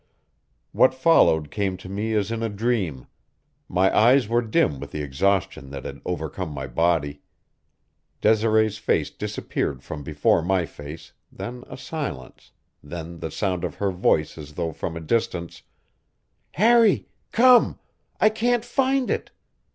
What followed came to me as in a dream; my eyes were dim with the exhaustion that had overcome my body. Desiree's face disappeared from before my face then a silence then the sound of her voice as though from a distance: "Harry come! I can't find it!